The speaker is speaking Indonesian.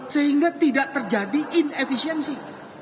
sehingga tidak terjadi inefisiensi